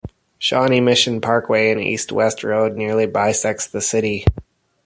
Shawnee Mission Parkway, an east-west road, nearly bisects the city.